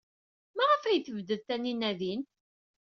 Maɣef ay tebded Taninna din?